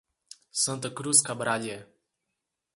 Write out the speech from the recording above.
Santa Cruz Cabrália